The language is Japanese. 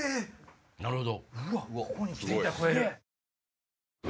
なるほど。